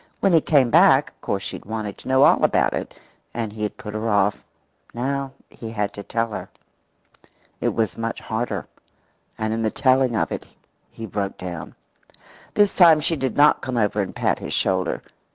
When he came back, of course she had wanted to know all about it, and he had put her off. Now he had to tell her. It was much harder; and in the telling of it he broke down. This time she did not come over and pat his shoulder.